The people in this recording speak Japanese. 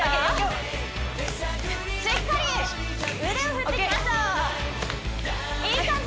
しっかり腕を振っていきましょういい感じ